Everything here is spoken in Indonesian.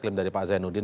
klaim dari pak zainuddin